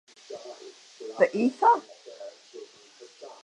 The ether?